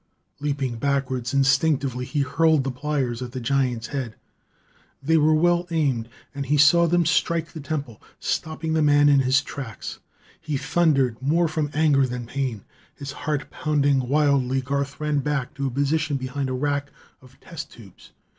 Leaping backwards instinctively, he hurled the pliers at the giant's head. They were well aimed, and he saw them strike the temple, stopping the man in his tracks. He thundered, more from anger than pain. His heart pounding wildly, Garth ran back to a position behind a rack of test tubes.